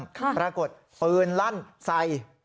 บุร้าปรากฏปืนหลั่นใส่